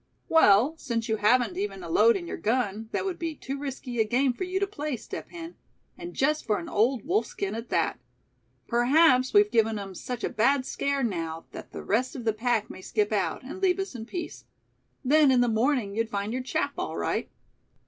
"Well, since you haven't even a load in your gun, that would be too risky a game for you to play, Step Hen, and just for an old wolf skin at that. Perhaps we've given 'em such a bad scare now that the rest of the pack may skip out, and leave us in peace. Then in the morning you'd find your chap, all right."